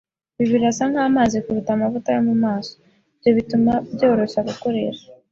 Ibi birasa nkamazi kuruta amavuta yo mumaso. Ibyo bituma byoroshye gukoresha.